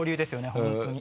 本当に。